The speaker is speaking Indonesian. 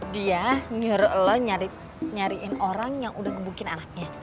dia nyuruh lo nyariin orang yang udah ngebukin anaknya